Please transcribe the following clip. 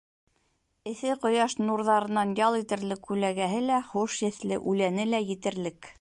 Эҫе ҡояш нурҙарынан ял итерлек күләгәһе лә, хуш еҫле үләне лә етерлек.